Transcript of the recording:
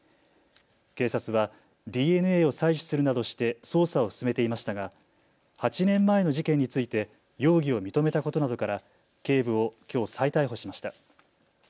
警察はＤＮＡを採取するなどして捜査を進めていましたが８年前の事件について容疑を認めたことなどから警部をきょう再逮捕しました。